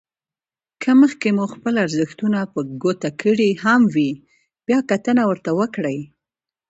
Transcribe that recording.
که مخکې مو خپل ارزښتونه په ګوته کړي هم وي بيا کتنه ورته وکړئ.